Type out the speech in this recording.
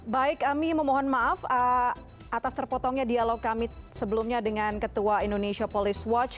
baik ami memohon maaf atas terpotongnya dialog kami sebelumnya dengan ketua indonesia police watch